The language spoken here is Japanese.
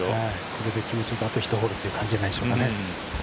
これで気持ちはあと１ホールという感じじゃないでしょうかね。